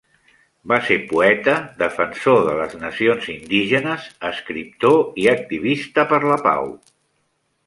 Va ser poeta, defensor de les nacions indígenes, escriptor i activista per la pau.